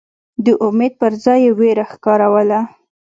د امید پر ځای یې وېره ښکاروله.